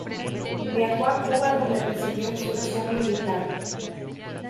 Viajó a Cuba donde recibió instrucción militar.